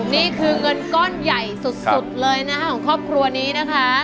นี่คือเงินก้อนใหญ่สุดเลยนะคะของครอบครัวนี้นะคะ